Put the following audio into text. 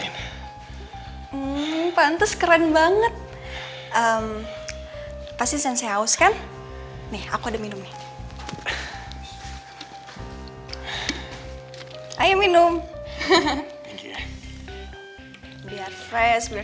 nanti kamu ikut kan ke acara pot pisahnya reva